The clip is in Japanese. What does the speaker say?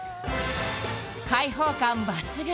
開放感抜群！